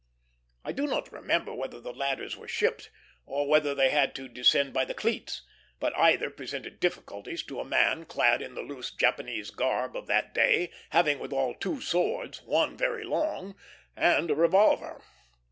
I do not remember whether the ladders were shipped, or whether they had to descend by the cleats; but either presented difficulties to a man clad in the loose Japanese garb of the day, having withal two swords, one very long, and a revolver.